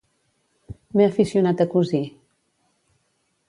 M'he aficionat a cosir.